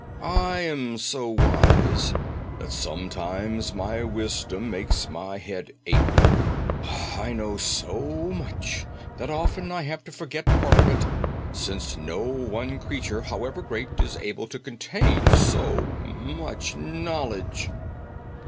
I am so wise that sometimes my wisdom makes my head ache. I know so much that often I have to forget part of it, since no one creature, however great, is able to contain so much knowledge."